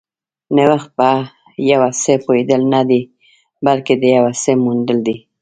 نوښت په یو څه پوهېدل نه دي، بلکې د یو څه موندل دي.